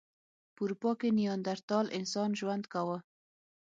په اروپا کې نیاندرتال انسان ژوند کاوه.